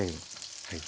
はい。